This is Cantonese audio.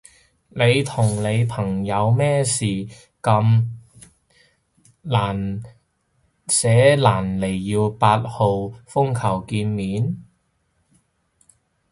你同你朋友咩事咁難捨難離要八號風球見面？